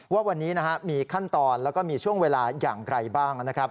ว่าวันนี้มีขั้นตอนแล้วก็มีช่วงเวลาอย่างไรบ้างนะครับ